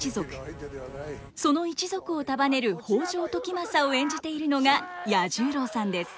その一族を束ねる北条時政を演じているのが彌十郎さんです。